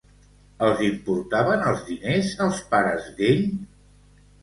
Els importaven els diners als pares d'ell?